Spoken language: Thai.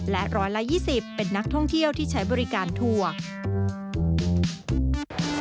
และ๑๒๐เป็นนักท่องเที่ยวที่ใช้บริการทัวร์